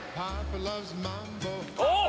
おっ！